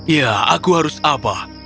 ya aku harus apa